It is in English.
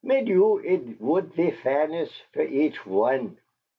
Mit you it voult be fairness fer each one.